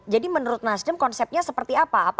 jadi menurut nasdem konsepnya seperti apa